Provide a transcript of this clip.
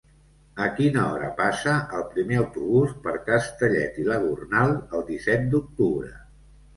A quina hora passa el primer autobús per Castellet i la Gornal el disset d'octubre?